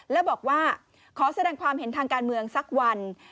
แล้วบอกว่าขอแสดงความเห็นทางการเมืองสักวัน